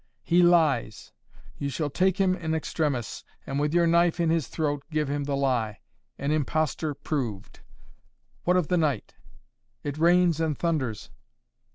"He lies! You shall take him in extremis and, with your knife in his throat, give him the lie. An impostor proved. What of the night?" "It rains and thunders."